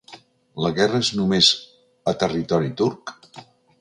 La guerra és només a territori turc?